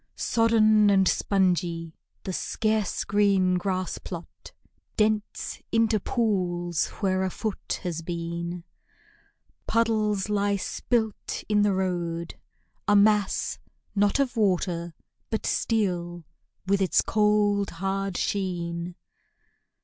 Sodden and spongy, the scarce green grass plot Dents into pools where a foot has been. Puddles lie spilt in the road a mass, not Of water, but steel, with its cold, hard sheen.